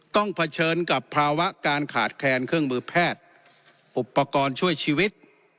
เผชิญกับภาวะการขาดแคลนเครื่องมือแพทย์อุปกรณ์ช่วยชีวิต